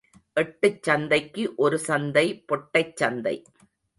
எட்டுச் சந்தைக்கு ஒரு சந்தை பொட்டைச் சந்தை.